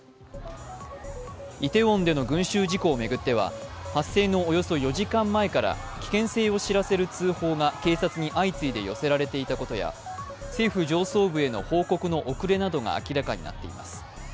イテウォンでの群集事故を巡っては発生のおよそ４時間前から危険性を知らせる通報が警察に相次いで寄せられていたことや政府上層部への報告の遅れなどが明らかになっています。